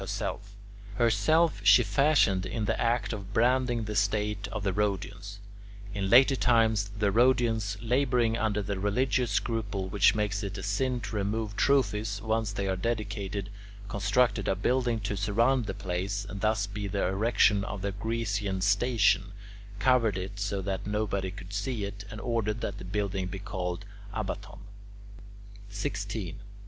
Herself she fashioned in the act of branding the state of the Rhodians. In later times the Rhodians, labouring under the religious scruple which makes it a sin to remove trophies once they are dedicated, constructed a building to surround the place, and thus by the erection of the "Grecian Station" covered it so that nobody could see it, and ordered that the building be called "[Greek: abaton]."